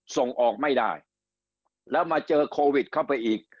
ส่งออกไม่ได้แล้วมาเจอโควิดเข้าไปอีก